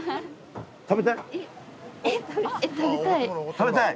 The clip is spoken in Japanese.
食べたい？